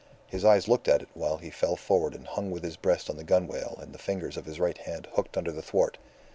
His eyes looked at it while he fell forward and hung with his breast on the gunwale and the fingers of his right hand hooked under the thwart.